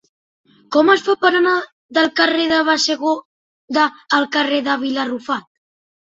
Com es fa per anar del carrer de Bassegoda al carrer de Vila Arrufat?